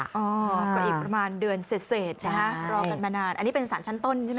ก็อีกประมาณเดือนเสร็จนะฮะรอกันมานานอันนี้เป็นสารชั้นต้นใช่ไหม